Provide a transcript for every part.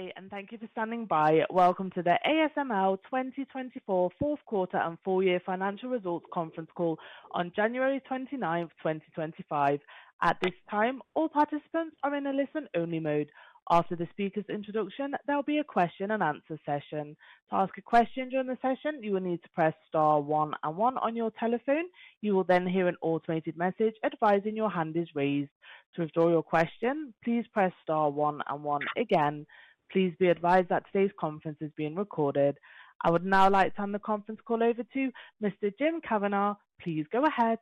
Good day, and thank you for standing by. Welcome to the ASML 2024 fourth quarter and Full Year Financial Results Conference Call on January 29th, 2025. At this time, all participants are in a listen-only mode. After the speaker's introduction, there'll be a question-and-answer session. To ask a question during the session, you will need to press star one and one on your telephone. You will then hear an automated message advising your hand is raised. To withdraw your question, please press star one and one again. Please be advised that today's conference is being recorded. I would now like to turn the conference call over to Mr. Jim Kavanagh. Please go ahead.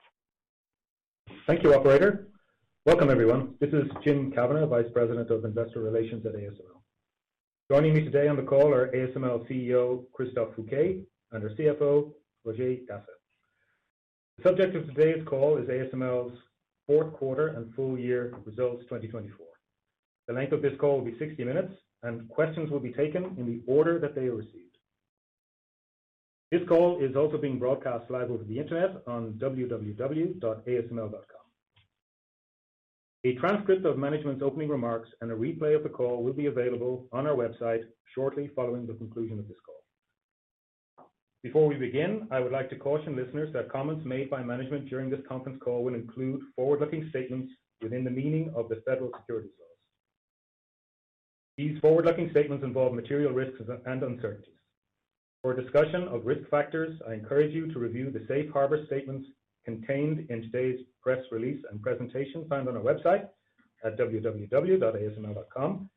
Thank you, Operator. Welcome, everyone. This is Jim Kavanagh, Vice President of Investor Relations at ASML. Joining me today on the call are ASML CEO Christophe Fouquet and our CFO, Roger Dassen. The subject of today's call is ASML's fourth quarter and full year Results 2024. The length of this call will be 60 minutes, and questions will be taken in the order that they are received. This call is also being broadcast live over the internet on www.asml.com. A transcript of management's opening remarks and a replay of the call will be available on our website shortly following the conclusion of this call. Before we begin, I would like to caution listeners that comments made by management during this conference call will include forward-looking statements within the meaning of the federal securities laws. These forward-looking statements involve material risks and uncertainties. For discussion of risk factors, I encourage you to review the safe harbor statements contained in today's press release and presentation found on our website at www.asml.com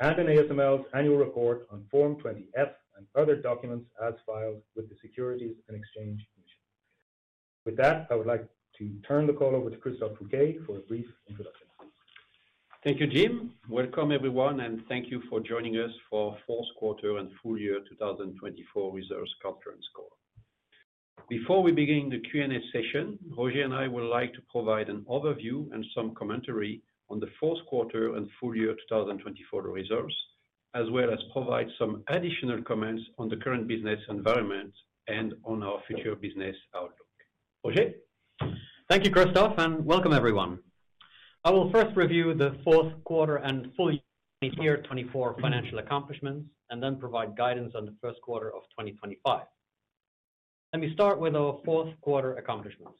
and in ASML's annual report on Form 20-F and other documents as filed with the Securities and Exchange Commission. With that, I would like to turn the call over to Christophe Fouquet for a brief introduction. Thank you, Jim. Welcome, everyone, and thank you for joining us for the fourth quarter and full year 2024 results conference call. Before we begin the Q&A session, Roger and I would like to provide an overview and some commentary on the fourth quarter and full year 2024 results, as well as provide some additional comments on the current business environment and on our future business outlook. Roger. Thank you, Christophe, and welcome, everyone. I will first review the Fourth Quarter and full year 2024 financial accomplishments and then provide guidance on the First Quarter of 2025. Let me start with our Fourth Quarter accomplishments.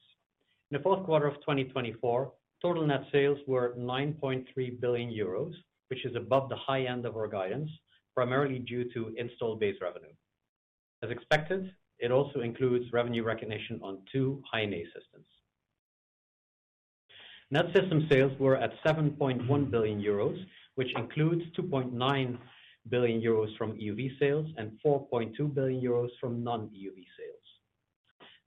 In the Fourth Quarter of 2024, total net sales were 9.3 billion euros, which is above the high end of our guidance, primarily due to installed base revenue. As expected, it also includes revenue recognition on two High-NA systems. Net system sales were at 7.1 billion euros, which includes 2.9 billion euros from EUV sales and 4.2 billion euros from non-EUV sales.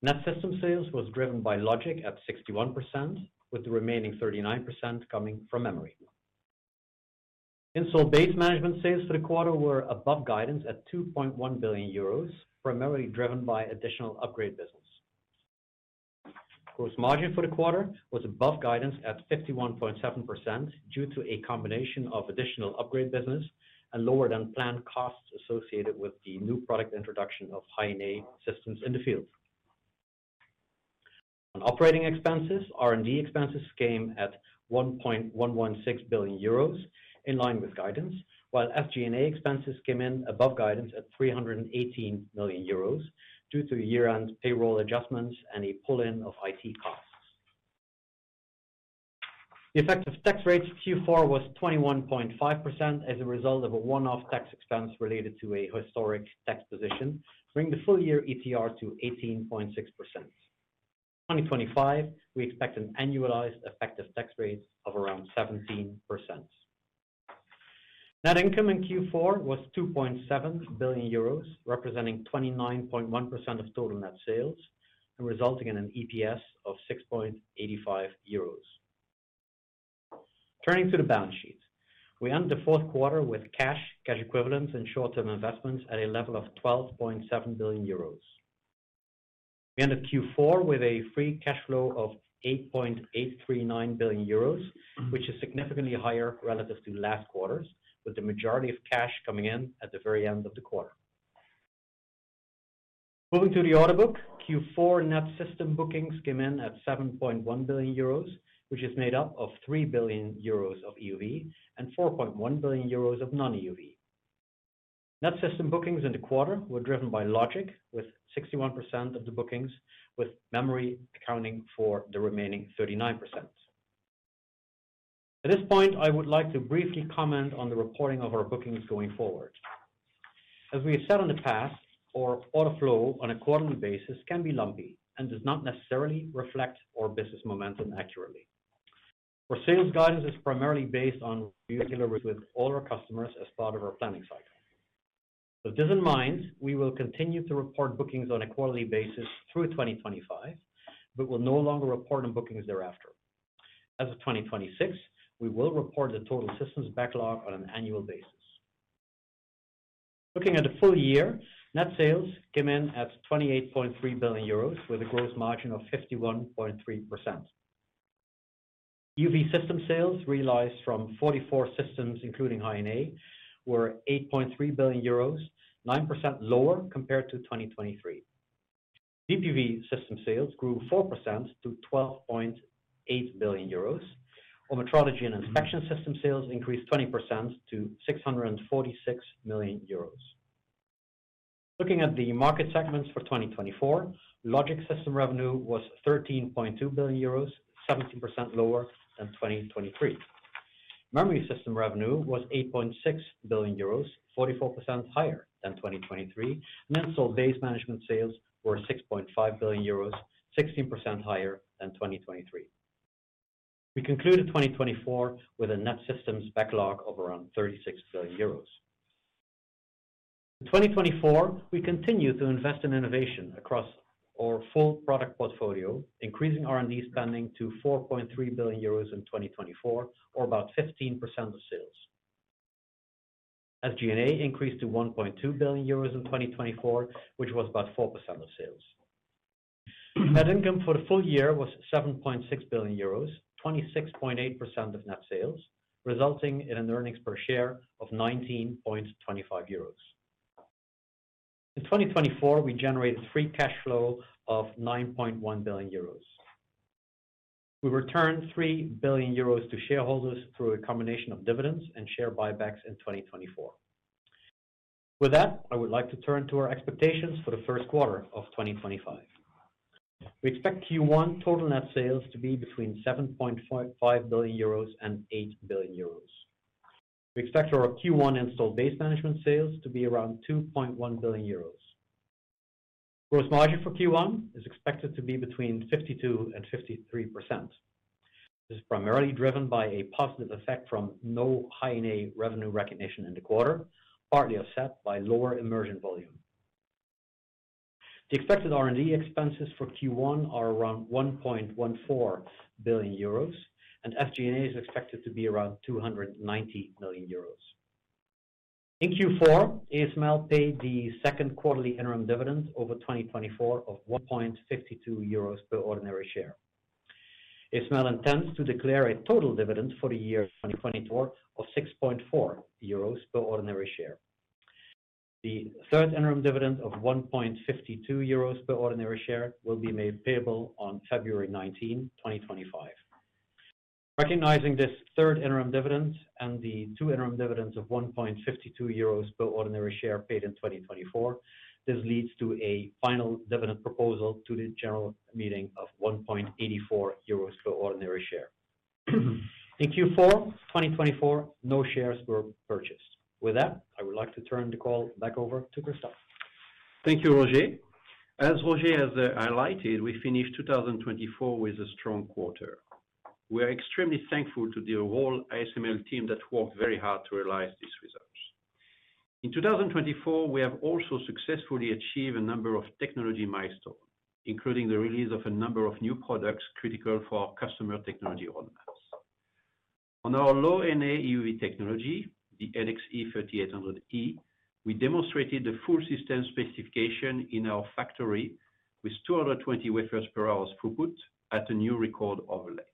Net system sales was driven by logic at 61%, with the remaining 39% coming from memory. Installed base management sales for the quarter were above guidance at 2.1 billion euros, primarily driven by additional upgrade business. Gross margin for the quarter was above guidance at 51.7% due to a combination of additional upgrade business and lower than planned costs associated with the new product introduction of high-end systems in the field. On operating expenses, R&D expenses came at € 1.116 billion, in line with guidance, while SG&A expenses came in above guidance at € 318 million due to year-end payroll adjustments and a pull-in of IT costs. The effective tax rate Q4 was 21.5% as a result of a one-off tax expense related to a historic tax position, bringing the full-year ETR to 18.6%. In 2025, we expect an annualized effective tax rate of around 17%. Net income in Q4 was € 2.7 billion, representing 29.1% of total net sales and resulting in an EPS of € 6.85. Turning to the balance sheet, we end the Fourth Quarter with cash, cash equivalents, and short-term investments at a level of €12.7 billion. We ended Q4 with a free cash flow of €8.839 billion, which is significantly higher relative to last quarters, with the majority of cash coming in at the very end of the quarter. Moving to the order book, Q4 net system bookings came in at €7.1 billion, which is made up of €3 billion of EUV and €4.1 billion of non-EUV. Net system bookings in the quarter were driven by logic, with 61% of the bookings, with memory accounting for the remaining 39%. At this point, I would like to briefly comment on the reporting of our bookings going forward. As we have said in the past, our order flow on a quarterly basis can be lumpy and does not necessarily reflect our business momentum accurately. Our sales guidance is primarily based on regular with all our customers as part of our planning cycle. With this in mind, we will continue to report bookings on a quarterly basis through 2025, but will no longer report on bookings thereafter. As of 2026, we will report the total systems backlog on an annual basis. Looking at the full year, net sales came in at 28.3 billion euros, with a gross margin of 51.3%. EUV system sales realized from 44 systems, including High-NA, were 8.3 billion euros, 9% lower compared to 2023. DUV system sales grew 4% to 12.8 billion euros. Our metrology and inspection system sales increased 20% to 646 million euros. Looking at the market segments for 2024, logic system revenue was 13.2 billion euros, 17% lower than 2023. Memory system revenue was 8.6 billion euros, 44% higher than 2023, and installed base management sales were 6.5 billion euros, 16% higher than 2023. We concluded 2024 with a net systems backlog of around 36 billion euros. In 2024, we continue to invest in innovation across our full product portfolio, increasing R&D spending to 4.3 billion euros in 2024, or about 15% of sales. SG&A increased to 1.2 billion euros in 2024, which was about 4% of sales. Net income for the full year was 7.6 billion euros, 26.8% of net sales, resulting in an earnings per share of 19.25 euros. In 2024, we generated free cash flow of 9.1 billion euros. We returned 3 billion euros to shareholders through a combination of dividends and share buybacks in 2024. With that, I would like to turn to our expectations for the First Quarter of 2025. We expect Q1 total net sales to be between 7.5 billion euros and 8 billion euros. We expect our Q1 installed base management sales to be around 2.1 billion euros. Gross margin for Q1 is expected to be between 52% and 53%. This is primarily driven by a positive effect from no High-NA revenue recognition in the quarter, partly offset by lower system volume. The expected R&D expenses for Q1 are around €1.14 billion, and SG&A is expected to be around €290 million. In Q4, ASML paid the second quarterly interim dividend for 2024 of €1.52 per ordinary share. ASML intends to declare a total dividend for the year 2024 of €6.40 per ordinary share. The third interim dividend of €1.52 per ordinary share will be made payable on February 19, 2025. Recognizing this third interim dividend and the two interim dividends of €1.52 per ordinary share paid in 2024, this leads to a final dividend proposal to the general meeting of €1.84 per ordinary share. In Q4 2024, no shares were purchased. With that, I would like to turn the call back over to Christophe. Thank you, Roger. As Roger has highlighted, we finished 2024 with a strong quarter. We are extremely thankful to the whole ASML team that worked very hard to realize these results. In 2024, we have also successfully achieved a number of technology milestones, including the release of a number of new products critical for our customer technology roadmaps. On our Low-NA EUV technology, the NXE:3800E, we demonstrated the full system specification in our factory with 220 wafers per hour throughput at a new record overlay.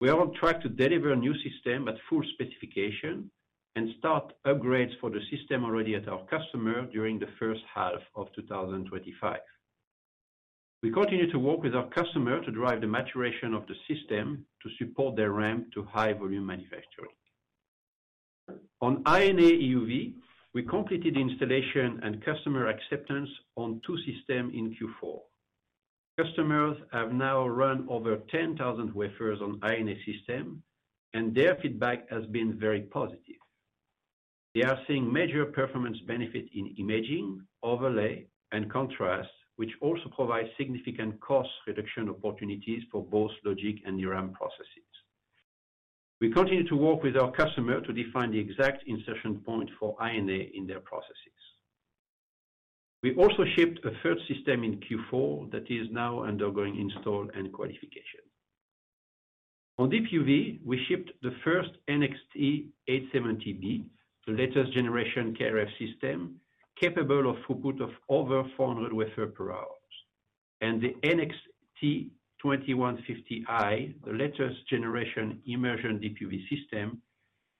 We are on track to deliver a new system at full specification and start upgrades for the system already at our customer during the first half of 2025. We continue to work with our customer to drive the maturation of the system to support their ramp to high-volume manufacturing. On High-NA EUV, we completed the installation and customer acceptance on two systems in Q4. Customers have now run over 10,000 wafers on High-NA systems, and their feedback has been very positive. They are seeing major performance benefits in imaging, overlay, and contrast, which also provides significant cost reduction opportunities for both logic and newer processes. We continue to work with our customer to define the exact insertion point for High-NA in their processes. We also shipped a third system in Q4 that is now undergoing install and qualification. On DUV, we shipped the first NXT:870B, the latest generation KrF system capable of throughput of over 400 wafers per hour, and the NXT:2150i, the latest generation immersion DUV system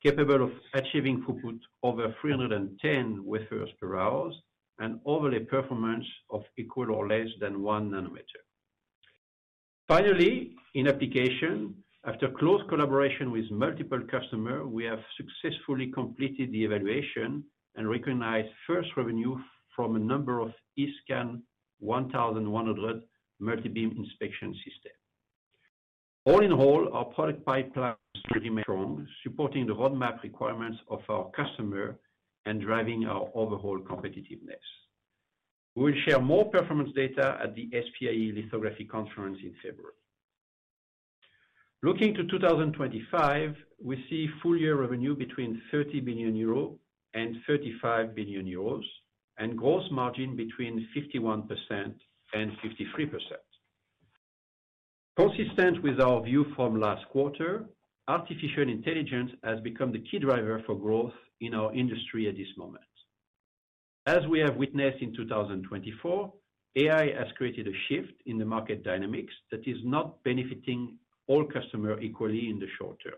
capable of achieving throughput over 310 wafers per hour and overlay performance of equal or less than one nanometer. Finally, in application, after close collaboration with multiple customers, we have successfully completed the evaluation and recognized first revenue from a number of eScan 1100 multibeam inspection systems. All in all, our product pipeline is strong, supporting the roadmap requirements of our customer and driving our overall competitiveness. We will share more performance data at the SPIE Lithography Conference in February. Looking to 2025, we see full-year revenue between €30 billion and €35 billion and gross margin between 51% and 53%. Consistent with our view from last quarter, artificial intelligence has become the key driver for growth in our industry at this moment. As we have witnessed in 2024, AI has created a shift in the market dynamics that is not benefiting all customers equally in the short term.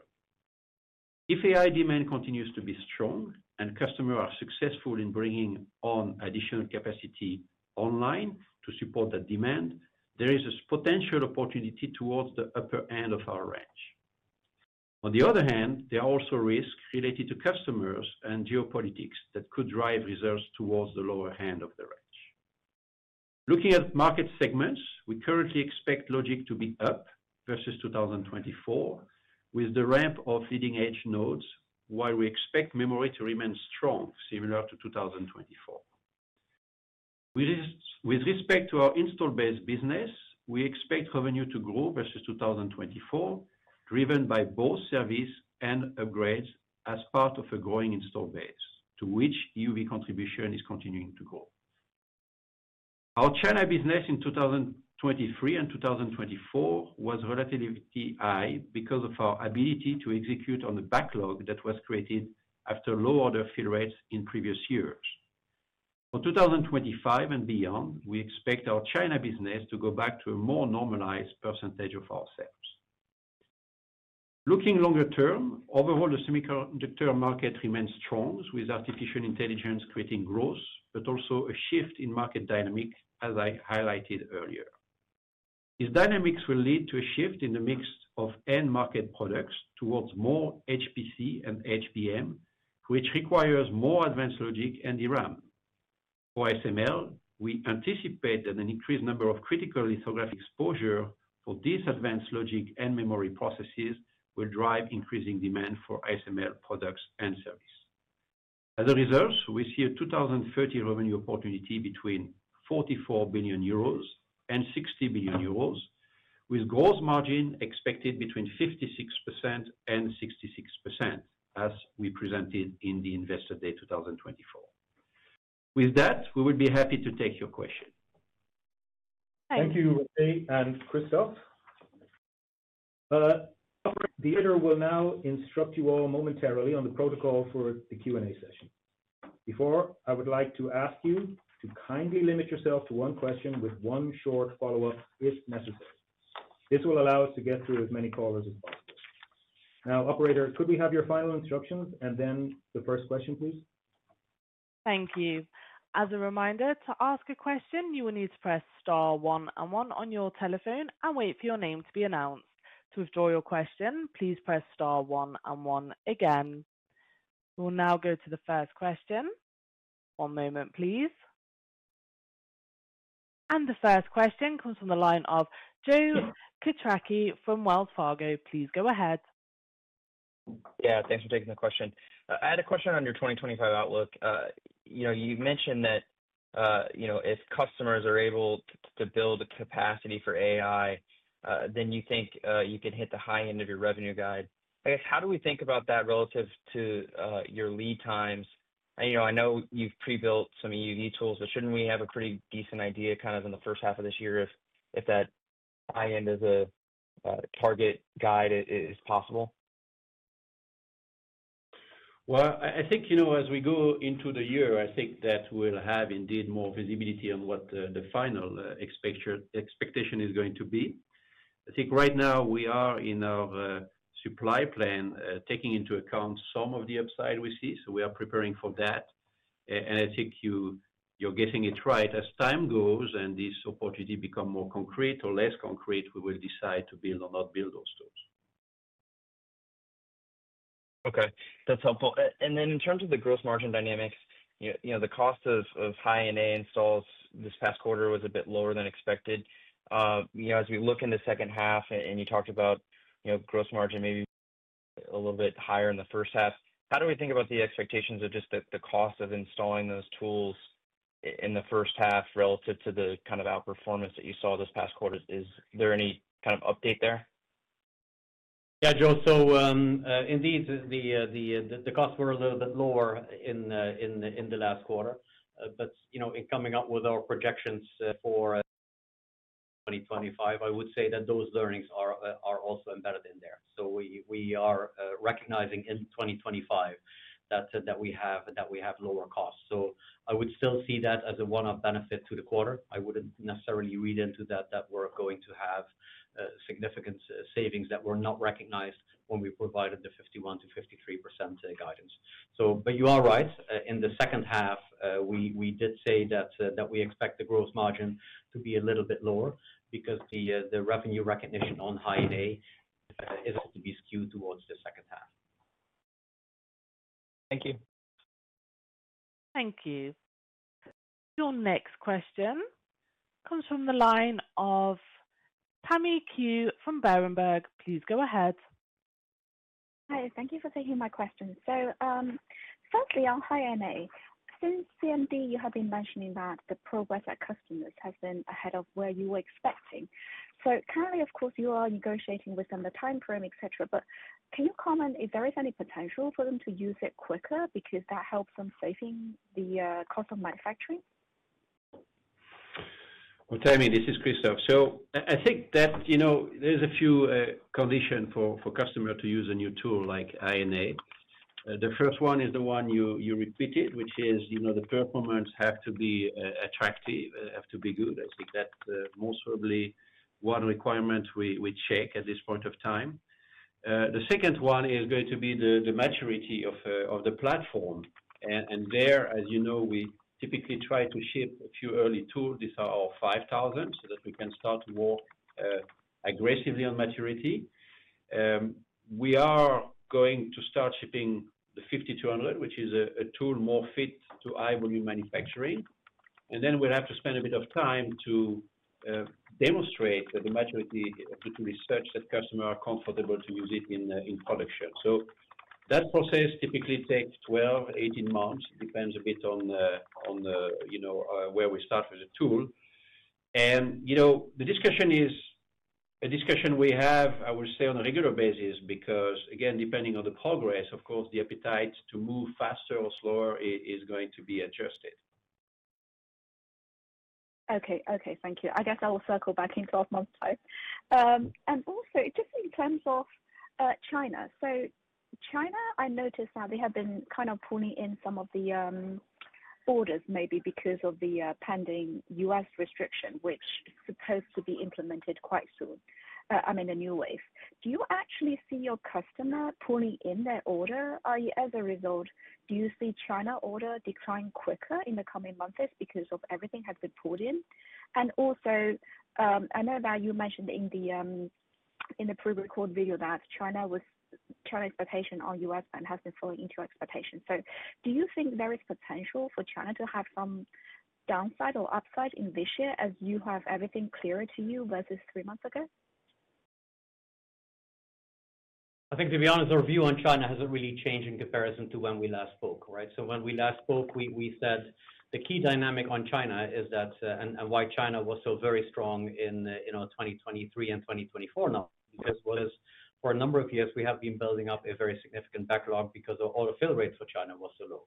If AI demand continues to be strong and customers are successful in bringing on additional capacity online to support that demand, there is a potential opportunity towards the upper end of our range. On the other hand, there are also risks related to customers and geopolitics that could drive reserves towards the lower end of the range. Looking at market segments, we currently expect logic to be up versus 2024 with the ramp of leading-edge nodes, while we expect memory to remain strong, similar to 2024. With respect to our installed base business, we expect revenue to grow versus 2024, driven by both service and upgrades as part of a growing installed base, to which EUV contribution is continuing to grow. Our China business in 2023 and 2024 was relatively high because of our ability to execute on the backlog that was created after low order fill rates in previous years. For 2025 and beyond, we expect our China business to go back to a more normalized percentage of our sales. Looking longer term, overall, the semiconductor market remains strong, with artificial intelligence creating growth, but also a shift in market dynamics, as I highlighted earlier. These dynamics will lead to a shift in the mix of end market products towards more HPC and HBM, which requires more advanced logic and DRAM. For ASML, we anticipate that an increased number of critical lithographic exposure for these advanced logic and memory processes will drive increasing demand for ASML products and services. As a result, we see a 2030 revenue opportunity between €44 billion and €60 billion, with gross margin expected between 56% and 66%, as we presented in the Investor Day 2024. With that, we would be happy to take your question. Thank you, Roger and Christophe. The operator will now instruct you all momentarily on the protocol for the Q&A session. Before that, I would like to ask you to kindly limit yourself to one question with one short follow-up, if necessary. This will allow us to get through as many callers as possible. Now, operator, could we have your final instructions and then the first question, please? Thank you. As a reminder, to ask a question, you will need to press star one and one on your telephone and wait for your name to be announced. To withdraw your question, please press star one and one again. We will now go to the first question. One moment, please. And the first question comes from the line of Joe Quatrochi from Wells Fargo. Please go ahead. Yeah, thanks for taking the question. I had a question on your 2025 outlook. You mentioned that if customers are able to build capacity for AI, then you think you can hit the high end of your revenue guide. I guess, how do we think about that relative to your lead times? I know you've pre-built some EUV tools. Shouldn't we have a pretty decent idea kind of in the first half of this year if that high end of the target guide is possible? I think as we go into the year, I think that we'll have indeed more visibility on what the final expectation is going to be. I think right now we are in our supply plan, taking into account some of the upside we see. We are preparing for that. I think you're getting it right. As time goes and this opportunity becomes more concrete or less concrete, we will decide to build or not build those tools. Okay, that's helpful. And then in terms of the gross margin dynamics, the cost of high-end installs this past quarter was a bit lower than expected. As we look in the second half, and you talked about gross margin maybe a little bit higher in the first half, how do we think about the expectations of just the cost of installing those tools in the first half relative to the kind of outperformance that you saw this past quarter? Is there any kind of update there? Yeah, Joe, so indeed, the costs were a little bit lower in the last quarter. But in coming up with our projections for 2025, I would say that those learnings are also embedded in there. So we are recognizing in 2025 that we have lower costs. So I would still see that as a one-off benefit to the quarter. I wouldn't necessarily read into that that we're going to have significant savings that were not recognized when we provided the 51%-53% guidance. But you are right. In the second half, we did say that we expect the gross margin to be a little bit lower because the revenue recognition on high-end is to be skewed towards the second half. Thank you. Thank you. Your next question comes from the line of Tammy Qiu from Berenberg. Please go ahead. Hi, thank you for taking my question. So firstly, on high-end, since CMD, you have been mentioning that the progress at customers has been ahead of where you were expecting. So currently, of course, you are negotiating within the time frame, etc. But can you comment if there is any potential for them to use it quicker because that helps them saving the cost of manufacturing? Tammy, this is Christophe. I think that there's a few conditions for customers to use a new tool like High-NA. The first one is the one you repeated, which is the performance has to be attractive, has to be good. I think that's most probably one requirement we check at this point of time. The second one is going to be the maturity of the platform. There, as you know, we typically try to ship a few early tools. These are our EXE:5000 so that we can start to work aggressively on maturity. We are going to start shipping the EXE:5200, which is a tool more fit to high-volume manufacturing. Then we'll have to spend a bit of time to demonstrate that the maturity of the tool is such that customers are comfortable to use it in production. That process typically takes 12-18 months. It depends a bit on where we start with the tool, and the discussion is a discussion we have, I would say, on a regular basis because, again, depending on the progress, of course, the appetite to move faster or slower is going to be adjusted. Okay, okay, thank you. I guess I will circle back in 12 months' time. And also, just in terms of China, so China, I noticed that they have been kind of pulling in some of the orders maybe because of the pending U.S. restriction, which is supposed to be implemented quite soon, I mean, a new wave. Do you actually see your customer pulling in their order? As a result, do you see China order decline quicker in the coming months because everything has been pulled in? And also, I know that you mentioned in the prerecorded video that China's expectation on U.S. ban has been falling into expectation. So do you think there is potential for China to have some downside or upside in this year as you have everything clearer to you versus three months ago? I think, to be honest, our view on China hasn't really changed in comparison to when we last spoke, right?, so when we last spoke, we said the key dynamic on China is that and why China was so very strong in 2023 and 2024, now because for a number of years, we have been building up a very significant backlog because of all the fill rates for China were so low.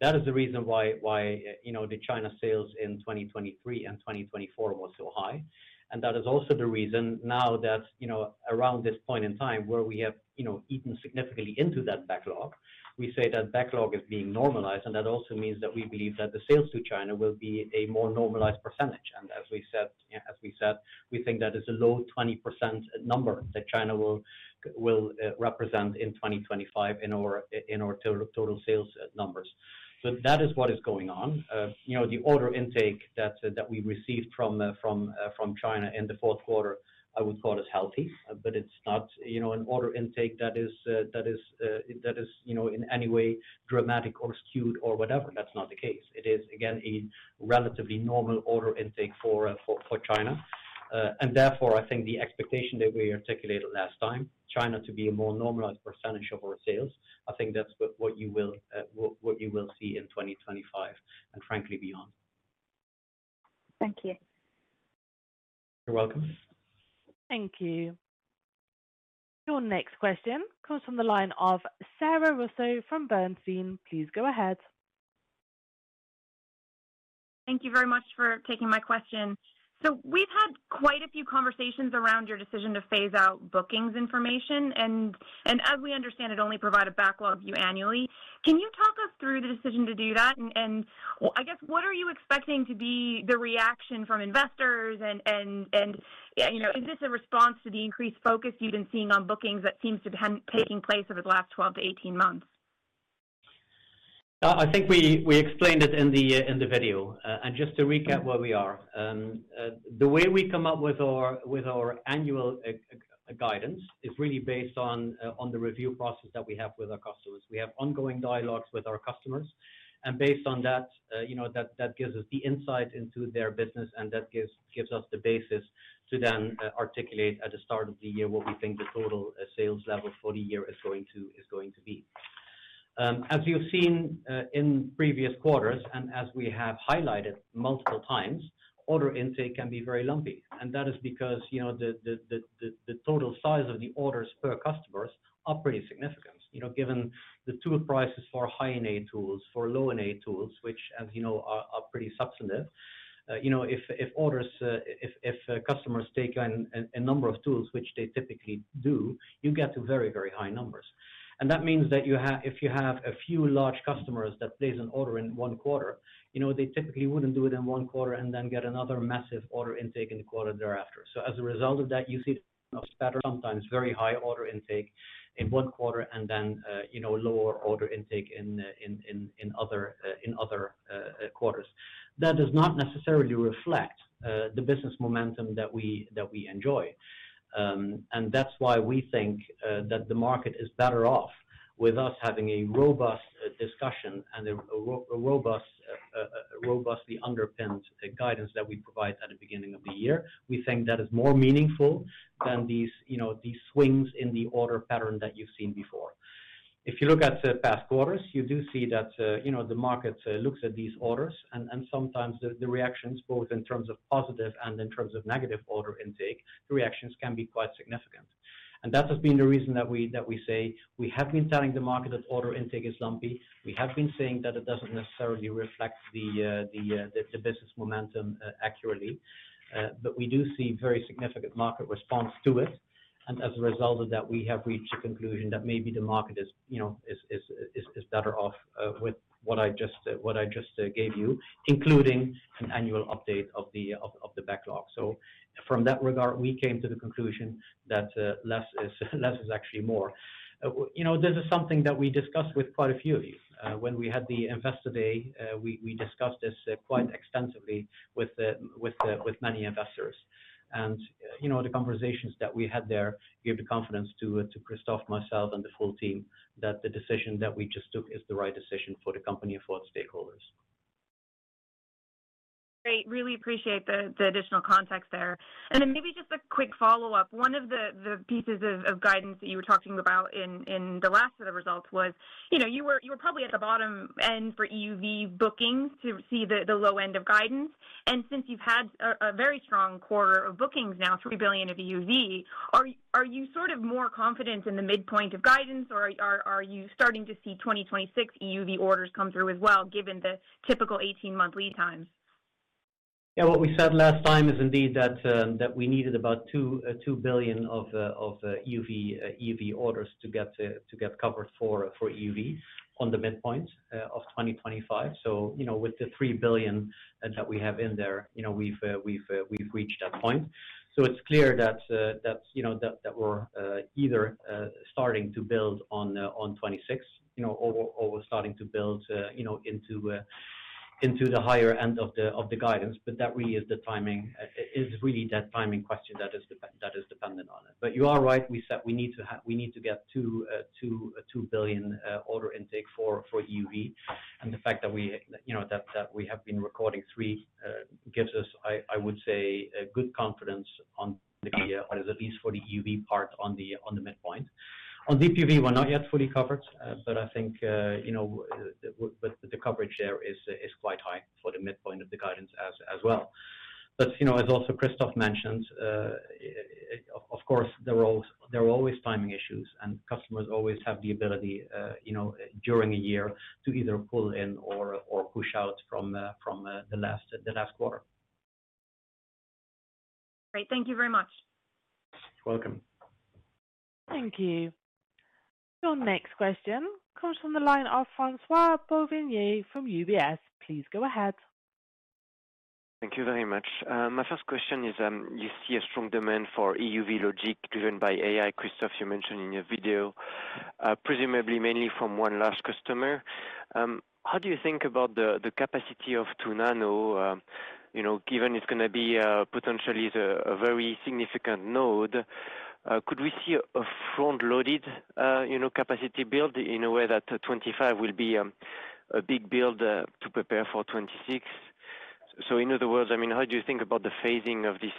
That is the reason why the China sales in 2023 and 2024 were so high, and that is also the reason now that around this point in time where we have eaten significantly into that backlog, we say that backlog is being normalized, and that also means that we believe that the sales to China will be a more normalized percentage. As we said, we think that is a low 20% number that China will represent in 2025 in our total sales numbers. That is what is going on. The order intake that we received from China in the fourth quarter, I would call it healthy, but it's not an order intake that is in any way dramatic or skewed or whatever. That's not the case. It is, again, a relatively normal order intake for China. Therefore, I think the expectation that we articulated last time, China to be a more normalized percentage of our sales, I think that's what you will see in 2025 and frankly beyond. Thank you. You're welcome. Thank you. Your next question comes from the line of Sara Russo from Bernstein. Please go ahead. Thank you very much for taking my question. So we've had quite a few conversations around your decision to phase out bookings information. And as we understand, it only provided backlog annually. Can you talk us through the decision to do that? And I guess, what are you expecting to be the reaction from investors? And is this a response to the increased focus you've been seeing on bookings that seems to have been taking place over the last 12-18 months? I think we explained it in the video, and just to recap where we are, the way we come up with our annual guidance is really based on the review process that we have with our customers. We have ongoing dialogues with our customers, and based on that, that gives us the insight into their business, and that gives us the basis to then articulate at the start of the year what we think the total sales level for the year is going to be. As you've seen in previous quarters, and as we have highlighted multiple times, order intake can be very lumpy, and that is because the total size of the orders per customers are pretty significant. Given the tool prices for high-end tools, for low-end tools, which, as you know, are pretty substantive, if customers take on a number of tools, which they typically do, you get to very, very high numbers. And that means that if you have a few large customers that place an order in one quarter, they typically wouldn't do it in one quarter and then get another massive order intake in the quarter thereafter. So as a result of that, you see sometimes very high order intake in one quarter and then lower order intake in other quarters. That does not necessarily reflect the business momentum that we enjoy. And that's why we think that the market is better off with us having a robust discussion and a robustly underpinned guidance that we provide at the beginning of the year. We think that is more meaningful than these swings in the order pattern that you've seen before. If you look at the past quarters, you do see that the market looks at these orders. And sometimes the reactions, both in terms of positive and in terms of negative order intake, the reactions can be quite significant. And that has been the reason that we say we have been telling the market that order intake is lumpy. We have been saying that it doesn't necessarily reflect the business momentum accurately. But we do see very significant market response to it. And as a result of that, we have reached a conclusion that maybe the market is better off with what I just gave you, including an annual update of the backlog. So from that regard, we came to the conclusion that less is actually more. This is something that we discussed with quite a few of you. When we had the Investor Day, we discussed this quite extensively with many investors. And the conversations that we had there gave the confidence to Christophe, myself, and the full team that the decision that we just took is the right decision for the company and for its stakeholders. Great. Really appreciate the additional context there. And then maybe just a quick follow-up. One of the pieces of guidance that you were talking about in the last set of results was you were probably at the bottom end for EUV bookings to see the low end of guidance. And since you've had a very strong quarter of bookings now, €3 billion of EUV, are you sort of more confident in the midpoint of guidance, or are you starting to see 2026 EUV orders come through as well given the typical 18-month lead times? Yeah, what we said last time is indeed that we needed about €2 billion of EUV orders to get covered for EUV on the midpoint of 2025. So with the €3 billion that we have in there, we've reached that point. So it's clear that we're either starting to build on 2026 or we're starting to build into the higher end of the guidance. But that really is the timing. It's really that timing question that is dependent on it. But you are right. We need to get €2 billion order intake for EUV. And the fact that we have been recording three gives us, I would say, good confidence on the EUV, at least for the EUV part on the midpoint. On DUV, we're not yet fully covered. But I think the coverage there is quite high for the midpoint of the guidance as well. But as also Christophe mentioned, of course, there are always timing issues. And customers always have the ability during a year to either pull in or push out from the last quarter. Great. Thank you very much. You're welcome. Thank you. Your next question comes from the line of François Bouvignies from UBS. Please go ahead. Thank you very much. My first question is, you see a strong demand for EUV logic driven by AI. Christophe, you mentioned in your video, presumably mainly from one large customer. How do you think about the capacity of 2 nano? Given it's going to be potentially a very significant node, could we see a front-loaded capacity build in a way that 2025 will be a big build to prepare for 2026? So in other words, I mean, how do you think about the phasing of this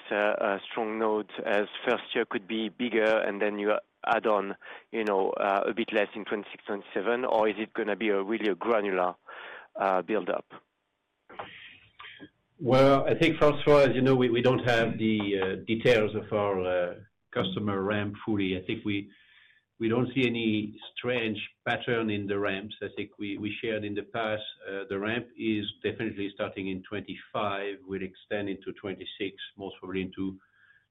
strong node as first year could be bigger and then you add on a bit less in 2026, 2027? Or is it going to be really a granular build-up? I think, François, as you know, we don't have the details of our customer ramp fully. I think we don't see any strange pattern in the ramps. I think we shared in the past, the ramp is definitely starting in 2025. We'll extend into 2026, most probably into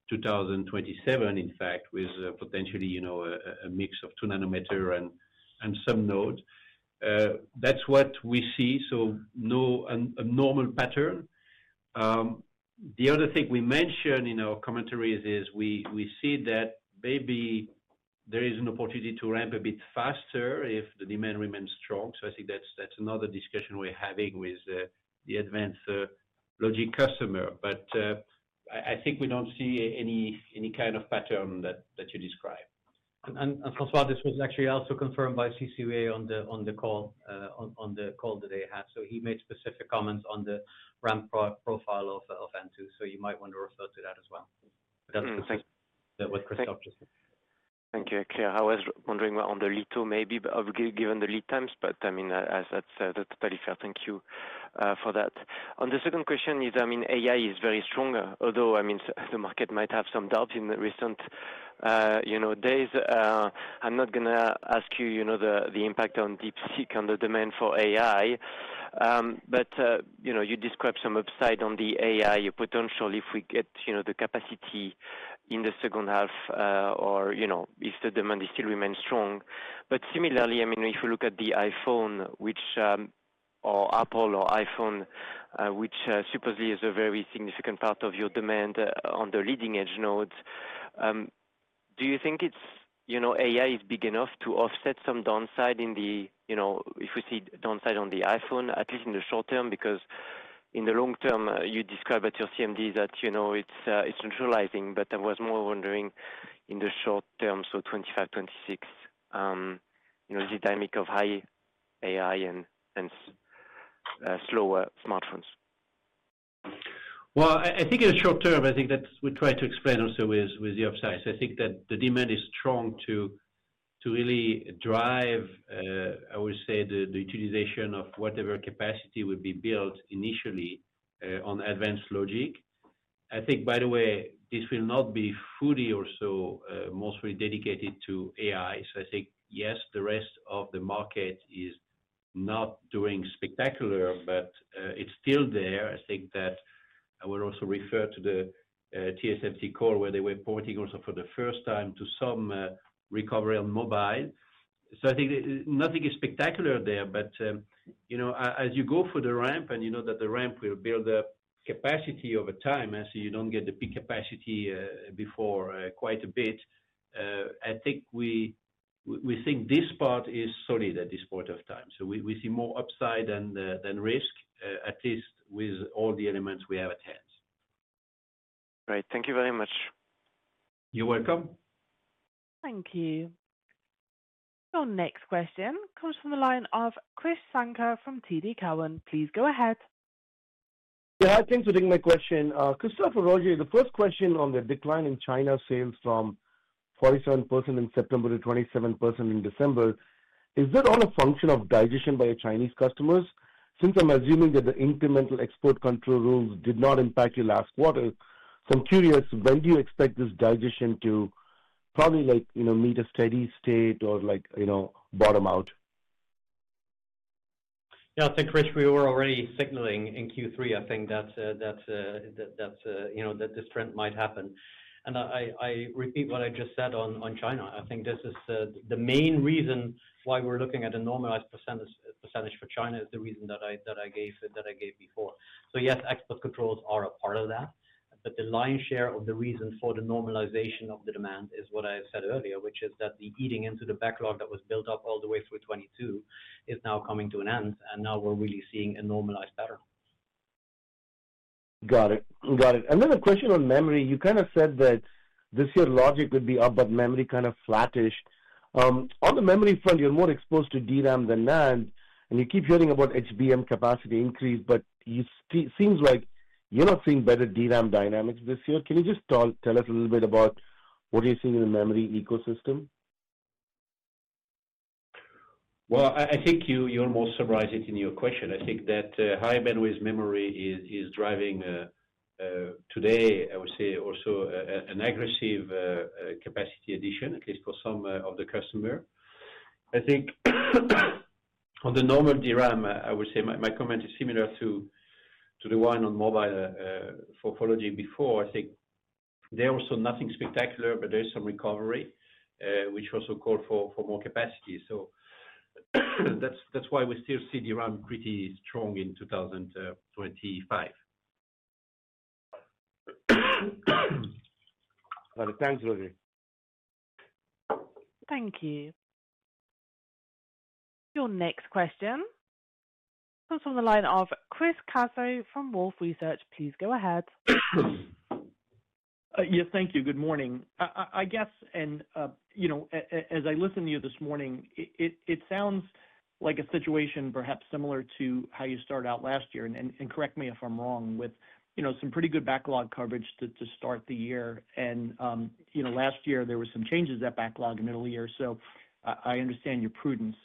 2027, in fact, with potentially a mix of 2 nanometer and some nodes. That's what we see. No normal pattern. The other thing we mentioned in our commentaries is we see that maybe there is an opportunity to ramp a bit faster if the demand remains strong. I think that's another discussion we're having with the advanced logic customer. I think we don't see any kind of pattern that you describe. François, this was actually also confirmed by C.C. Wei on the call that they had. He made specific comments on the ramp profile of N2. So you might want to refer to that as well. That's what Christophe just said. Thank you. Clear, I was wondering on the litho maybe, given the lead times. But I mean, that's totally fair. Thank you for that. On the second question is, I mean, AI is very strong, although I mean, the market might have some doubts in recent days. I'm not going to ask you the impact on DeepSeek on the demand for AI. But you described some upside on the AI potential if we get the capacity in the second half or if the demand still remains strong. But similarly, I mean, if we look at the iPhone or Apple or iPhone, which supposedly is a very significant part of your demand on the leading-edge nodes, do you think AI is big enough to offset some downside in the if we see downside on the iPhone, at least in the short term? Because in the long term, you described at your CMD that it's neutralizing. But I was more wondering in the short term, so 2025, 2026, the dynamic of high AI and slower smartphones. I think in the short term, I think that's what we try to explain also with the upside. So I think that the demand is strong to really drive, I would say, the utilization of whatever capacity will be built initially on advanced logic. I think, by the way, this will not be fully or so mostly dedicated to AI. So I think, yes, the rest of the market is not doing spectacular, but it's still there. I think that I will also refer to the TSMC call where they were pointing also for the first time to some recovery on mobile. So I think nothing is spectacular there. But as you go for the ramp and you know that the ramp will build up capacity over time, as you don't get the peak capacity before quite a bit, I think we think this part is solid at this point of time. So we see more upside than risk, at least with all the elements we have at hand. Great. Thank you very much. You're welcome. Thank you. Your next question comes from the line of Krish Sankar from TD Cowen. Please go ahead. Yeah, I came to take my question. Christophe, Roger, the first question on the decline in China sales from 47% in September to 27% in December, is that all a function of digestion by Chinese customers? Since I'm assuming that the incremental export control rules did not impact your last quarter, so I'm curious, when do you expect this digestion to probably meet a steady state or bottom out? Yeah, I think, Krish, we were already signaling in Q3, I think, that this trend might happen, and I repeat what I just said on China. I think this is the main reason why we're looking at a normalized percentage for China, is the reason that I gave before, so yes, export controls are a part of that, but the lion's share of the reason for the normalization of the demand is what I said earlier, which is that the eating into the backlog that was built up all the way through 2022 is now coming to an end, and now we're really seeing a normalized pattern. Got it. Got it. Another question on memory. You kind of said that this year logic would be up, but memory kind of flattish. On the memory front, you're more exposed to DRAM than NAND. And you keep hearing about HBM capacity increase, but it seems like you're not seeing better DRAM dynamics this year. Can you just tell us a little bit about what you're seeing in the memory ecosystem? I think you're most surprised in your question. I think that high bandwidth memory is driving today, I would say, also an aggressive capacity addition, at least for some of the customers. I think on the normal DRAM, I would say my comment is similar to the one on mobile for Fouquet before. I think there's also nothing spectacular, but there's some recovery, which also called for more capacity. So that's why we still see DRAM pretty strong in 2025. Got it. Thanks, Roger. Thank you. Your next question comes from the line of Chris Caso from Wolfe Research. Please go ahead. Yes, thank you. Good morning. I guess, as I listened to you this morning, it sounds like a situation perhaps similar to how you started out last year. And correct me if I'm wrong, with some pretty good backlog coverage to start the year. And last year, there were some changes that backlogged in the middle of the year. So I understand your prudence.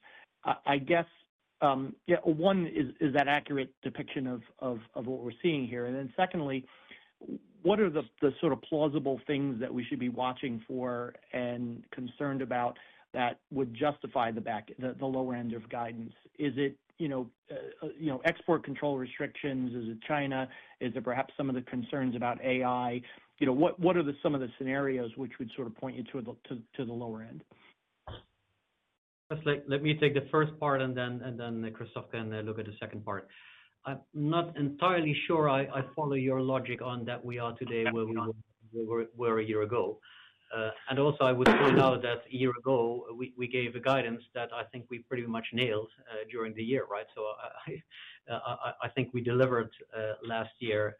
I guess, yeah, one, is that accurate depiction of what we're seeing here? And then secondly, what are the sort of plausible things that we should be watching for and concerned about that would justify the lower end of guidance? Is it export control restrictions? Is it China? Is it perhaps some of the concerns about AI? What are some of the scenarios which would sort of point you to the lower end? Let me take the first part, and then Christophe can look at the second part. I'm not entirely sure I follow your logic on that we are today where we were a year ago. Also, I would point out that a year ago, we gave a guidance that I think we pretty much nailed during the year, right? So I think we delivered last year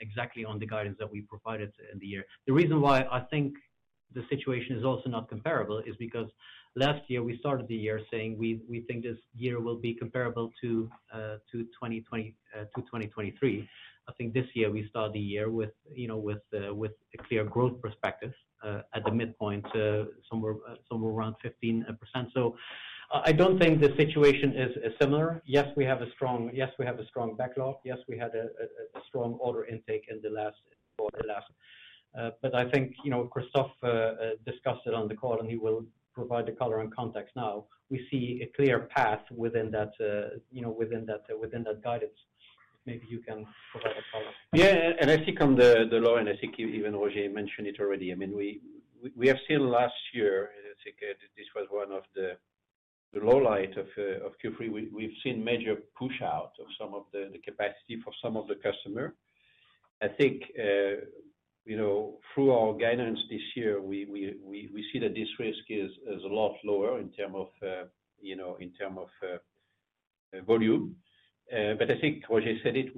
exactly on the guidance that we provided in the year. The reason why I think the situation is also not comparable is because last year, we started the year saying we think this year will be comparable to 2023. I think this year we start the year with a clear growth perspective at the midpoint, somewhere around 15%. So I don't think the situation is similar. Yes, we have a strong backlog. Yes, we had a strong order intake in the last quarter. But I think Christophe discussed it on the call, and he will provide the color and context now. We see a clear path within that guidance. Maybe you can provide a color. Yeah. And I think on the low end, I think even Roger mentioned it already. I mean, we have seen last year, I think this was one of the lowlights of Q3. We've seen major push-out of some of the capacity for some of the customers. I think through our guidance this year, we see that this risk is a lot lower in terms of volume. But I think Roger said it,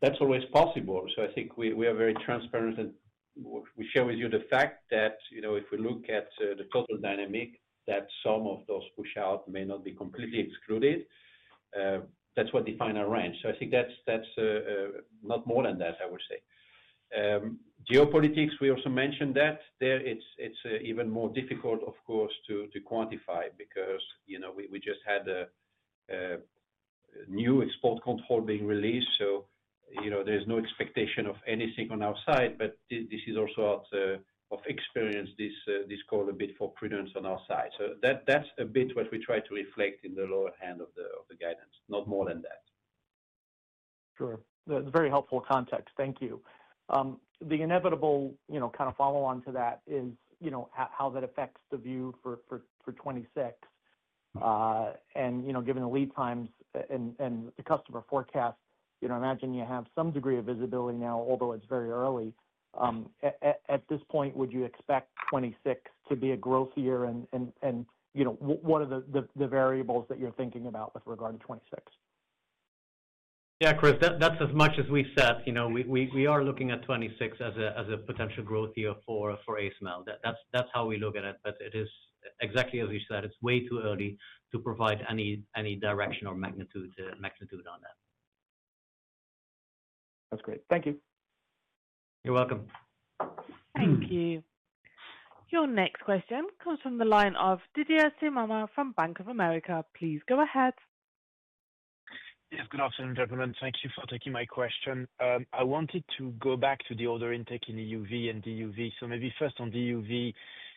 that's always possible. So I think we are very transparent. And we share with you the fact that if we look at the total dynamic, that some of those push-out may not be completely excluded. That's what defines our range. So I think that's not more than that, I would say. Geopolitics, we also mentioned that. There, it's even more difficult, of course, to quantify because we just had a new export control being released. So there's no expectation of anything on our side. But this is also out of experience, this calls a bit for prudence on our side. So that's a bit what we try to reflect in the lower end of the guidance, not more than that. Sure. That's very helpful context. Thank you. The inevitable kind of follow-on to that is how that affects the view for 2026. And given the lead times and the customer forecast, I imagine you have some degree of visibility now, although it's very early. At this point, would you expect 2026 to be a growth year? And what are the variables that you're thinking about with regard to 2026? Yeah, Chris, that's as much as we said. We are looking at 2026 as a potential growth year for ASML. That's how we look at it. But it is exactly as you said, it's way too early to provide any direction or magnitude on that. That's great. Thank you. You're welcome. Thank you. Your next question comes from the line of Didier Scemama from Bank of America. Please go ahead. Yes, good afternoon, gentlemen. Thank you for taking my question. I wanted to go back to the order intake in EUV and DUV. So maybe first on DUV,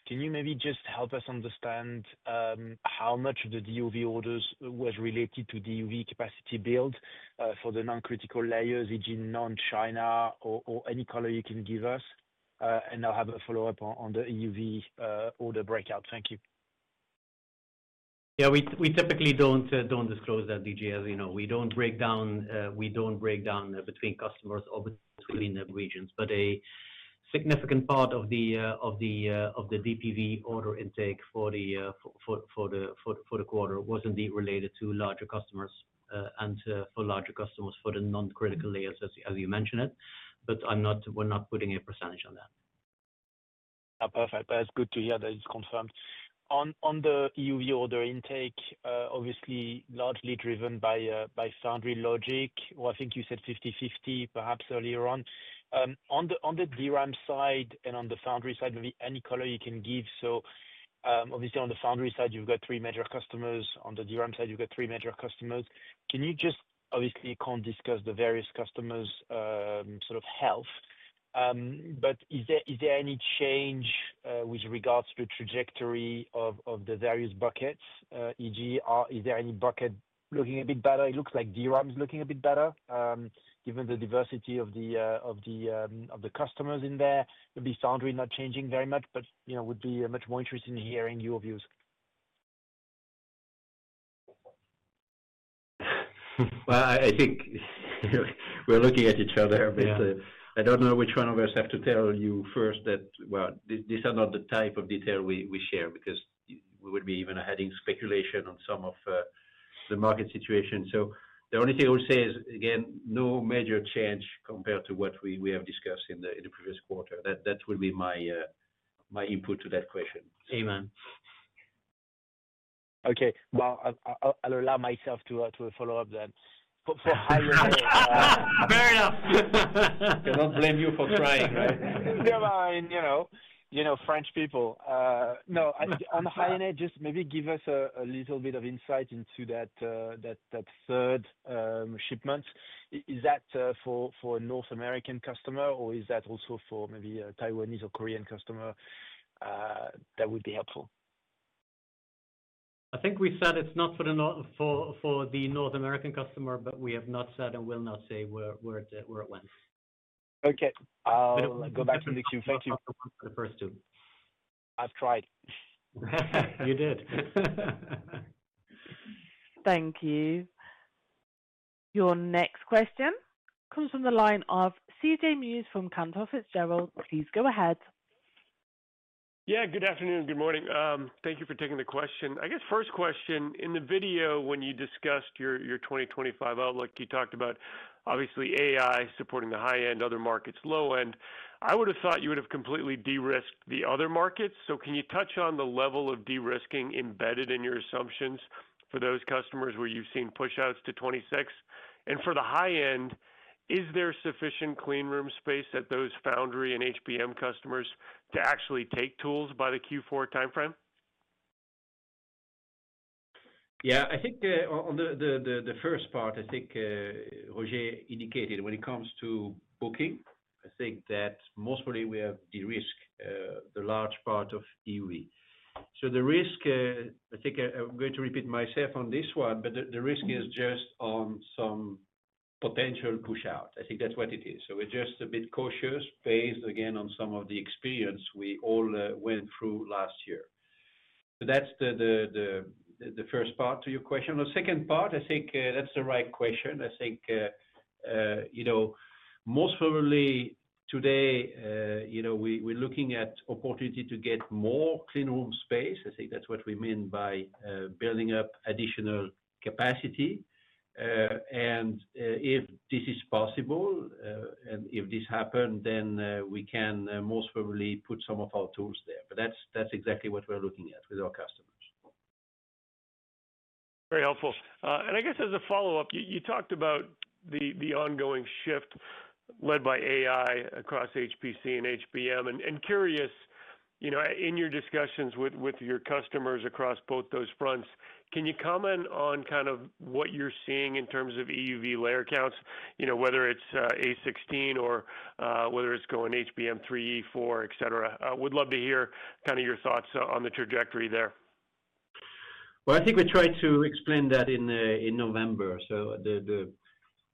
can you maybe just help us understand how much of the DUV orders was related to DUV capacity build for the non-critical layers, e.g., non-China or any color you can give us? And I'll have a follow-up on the EUV order breakout. Thank you. Yeah, we typically don't disclose that, Didier. We don't break down between customers within the regions. But a significant part of the DUV order intake for the quarter was indeed related to larger customers and for larger customers for the non-critical layers, as you mentioned it. But we're not putting a percentage on that. Perfect. That's good to hear that it's confirmed. On the EUV order intake, obviously, largely driven by foundry logic, or I think you said 50/50 perhaps earlier on. On the DRAM side and on the foundry side, maybe any color you can give. So obviously, on the foundry side, you've got three major customers. On the DRAM side, you've got three major customers. Can you just obviously discuss the various customers' sort of health? But is there any change with regards to the trajectory of the various buckets, e.g., is there any bucket looking a bit better? It looks like DRAM is looking a bit better, given the diversity of the customers in there. Would be foundry not changing very much, but would be much more interested in hearing your views. I think we're looking at each other, but I don't know which one of us have to tell you first that, well, these are not the type of detail we share because we would be even adding speculation on some of the market situation. So the only thing I would say is, again, no major change compared to what we have discussed in the previous quarter. That would be my input to that question. Ahem. Okay. Well, I'll allow myself to follow up then. Fair enough. I cannot blame you for trying, right? Never mind. You know French people. No, on the high end, just maybe give us a little bit of insight into that third shipment. Is that for a North American customer, or is that also for maybe a Taiwanese or Korean customer? That would be helpful. I think we said it's not for the North American customer, but we have not said and will not say where it went. Okay. I'll go back to the Q. Thank you. The first two. I've tried. You did. Thank you. Your next question comes from the line of CJ Muse from Cantor Fitzgerald. Please go ahead. Yeah, good afternoon. Good morning. Thank you for taking the question. I guess first question, in the video when you discussed your 2025 outlook, you talked about, obviously, AI supporting the high-end, other markets, low-end. I would have thought you would have completely de-risked the other markets. So can you touch on the level of de-risking embedded in your assumptions for those customers where you've seen push-outs to 2026? And for the high-end, is there sufficient clean room space at those foundry and HBM customers to actually take tools by the Q4 timeframe? Yeah, I think on the first part, I think Roger indicated when it comes to booking, I think that most probably we have de-risked the large part of EUV. So the risk, I think I'm going to repeat myself on this one, but the risk is just on some potential push-out. I think that's what it is. So we're just a bit cautious based again on some of the experience we all went through last year. So that's the first part to your question. The second part, I think that's the right question. I think most probably today, we're looking at opportunity to get more clean room space. I think that's what we mean by building up additional capacity. And if this is possible, and if this happens, then we can most probably put some of our tools there. But that's exactly what we're looking at with our customers. Very helpful. And I guess as a follow-up, you talked about the ongoing shift led by AI across HPC and HBM. And curious, in your discussions with your customers across both those fronts, can you comment on kind of what you're seeing in terms of EUV layer counts, whether it's A16 or whether it's going HBM3E, HBM4, etc.? Would love to hear kind of your thoughts on the trajectory there. I think we tried to explain that in November.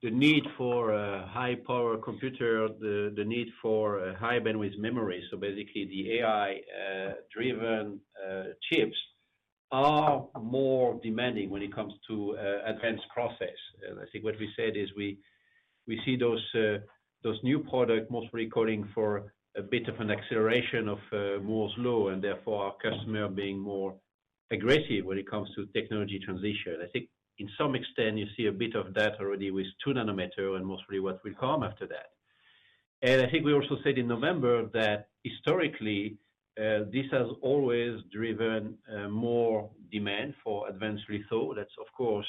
The need for high-performance computing, the need for high-bandwidth memory, so basically the AI-driven chips are more demanding when it comes to advanced process. I think what we said is we see those new products most probably calling for a bit of an acceleration of Moore's law, and therefore our customer being more aggressive when it comes to technology transition. I think to some extent, you see a bit of that already with two nanometer and most probably what will come after that. I think we also said in November that historically, this has always driven more demand for advanced EUV. That's, of course,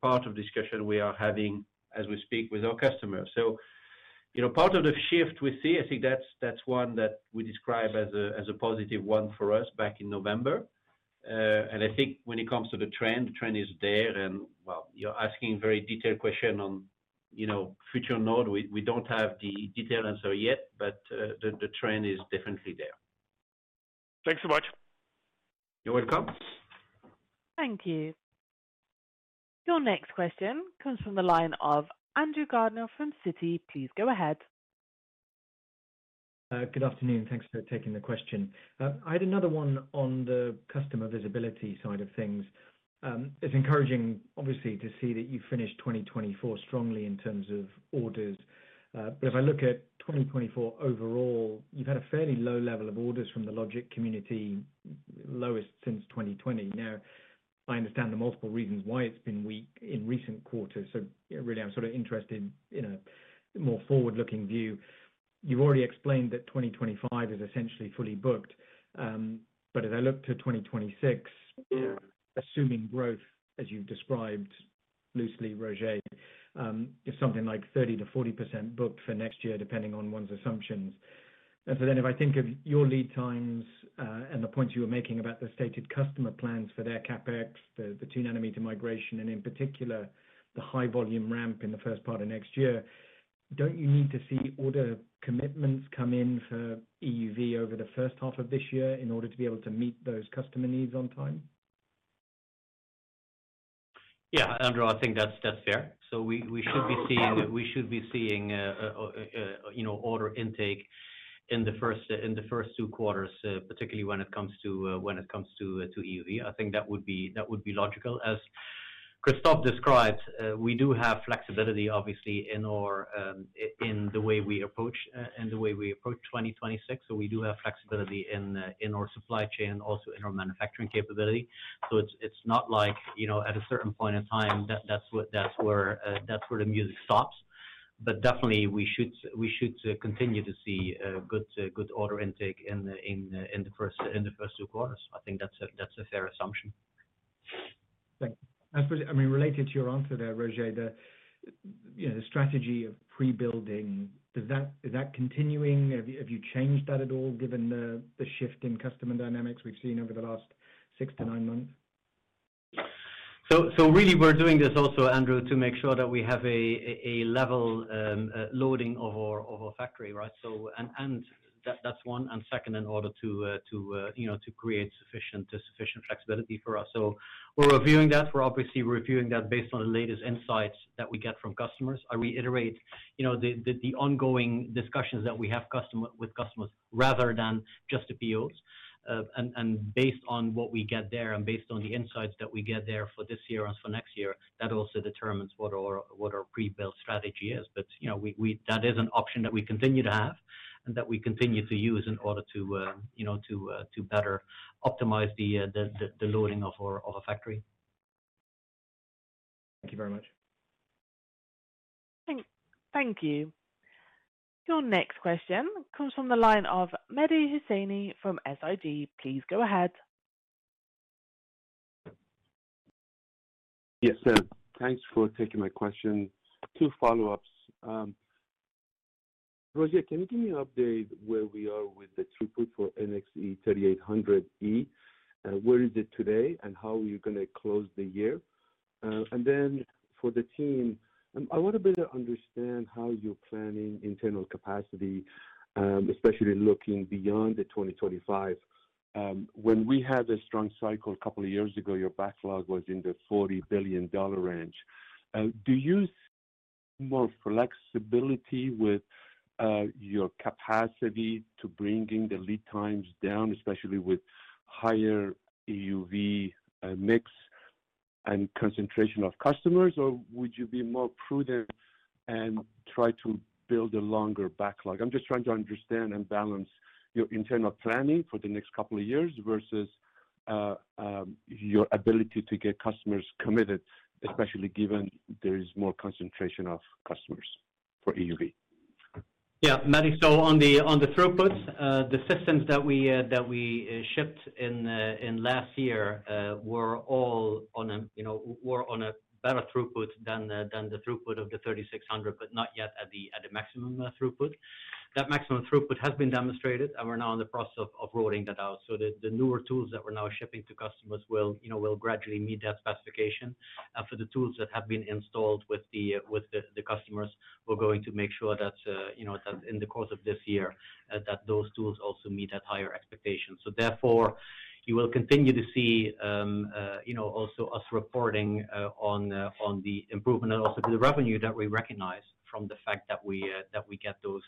part of the discussion we are having as we speak with our customers. Part of the shift we see, I think that's one that we describe as a positive one for us back in November. I think when it comes to the trend, the trend is there. You're asking a very detailed question on future node. We don't have the detailed answer yet, but the trend is definitely there. Thanks so much. You're welcome. Thank you. Your next question comes from the line of Andrew Gardiner from Citi. Please go ahead. Good afternoon. Thanks for taking the question. I had another one on the customer visibility side of things. It's encouraging, obviously, to see that you finished 2024 strongly in terms of orders. But if I look at 2024 overall, you've had a fairly low level of orders from the logic community, lowest since 2020. Now, I understand the multiple reasons why it's been weak in recent quarters. So really, I'm sort of interested in a more forward-looking view. You've already explained that 2025 is essentially fully booked. But as I look to 2026, assuming growth, as you've described loosely, Roger, something like 30%-40% booked for next year, depending on one's assumptions. And so then if I think of your lead times and the points you were making about the stated customer plans for their CapEx, the 2 nanometer migration, and in particular, the high-volume ramp in the first part of next year, don't you need to see order commitments come in for EUV over the first half of this year in order to be able to meet those customer needs on time? Yeah, Andrew, I think that's fair. So we should be seeing order intake in the first two quarters, particularly when it comes to EUV. I think that would be logical. As Christophe described, we do have flexibility, obviously, in the way we approach 2026. So we do have flexibility in our supply chain, also in our manufacturing capability. So it's not like at a certain point in time, that's where the music stops. But definitely, we should continue to see good order intake in the first two quarters. I think that's a fair assumption. Thanks. I mean, related to your answer there, Roger, the strategy of pre-building, is that continuing? Have you changed that at all, given the shift in customer dynamics we've seen over the last six to nine months? So really, we're doing this also, Andrew, to make sure that we have a level loading of our factory, right? And that's one. And second, in order to create sufficient flexibility for us. So we're reviewing that. We're obviously reviewing that based on the latest insights that we get from customers. I reiterate the ongoing discussions that we have with customers rather than just the POs. And based on what we get there and based on the insights that we get there for this year and for next year, that also determines what our pre-build strategy is. But that is an option that we continue to have and that we continue to use in order to better optimize the loading of our factory. Thank you very much. Thank you. Your next question comes from the line of Mehdi Hosseini from SIG. Please go ahead. Yes, sir. Thanks for taking my question. Two follow-ups. Roger, can you give me an update where we are with the throughput for NXE:3800E? Where is it today, and how are you going to close the year? And then for the team, I want to better understand how you're planning internal capacity, especially looking beyond the 2025. When we had a strong cycle a couple of years ago, your backlog was in the $40 billion range. Do you see more flexibility with your capacity to bring the lead times down, especially with higher EUV mix and concentration of customers, or would you be more prudent and try to build a longer backlog? I'm just trying to understand and balance your internal planning for the next couple of years versus your ability to get customers committed, especially given there is more concentration of customers for EUV. Yeah, Mehdi, so on the throughput, the systems that we shipped in last year were all on a better throughput than the throughput of the 3600, but not yet at the maximum throughput. That maximum throughput has been demonstrated, and we're now in the process of rolling that out. So the newer tools that we're now shipping to customers will gradually meet that specification. And for the tools that have been installed with the customers, we're going to make sure that in the course of this year, that those tools also meet that higher expectation. So therefore, you will continue to see also us reporting on the improvement and also the revenue that we recognize from the fact that we get those